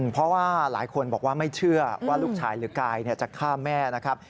เพราะว่าหลายคนบอกว่าไม่เชื่อว่าลูกชายหรือกายจะฆ่าแม่นะครับ